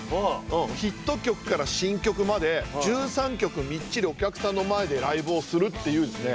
ヒット曲から新曲まで１３曲みっちりお客さんの前でライブをするっていうですね。